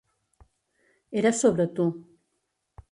Era sobre tu.